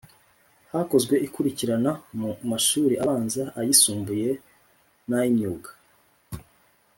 Hakozwe ikurikirana mu mashuri abanza ayisumbuye n ay imyuga